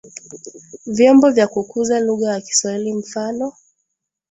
vyombo vya kukuza lugha ya kiswahili mfano